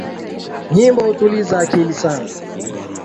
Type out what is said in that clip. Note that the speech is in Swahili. Nyimbo hutuliza akili sana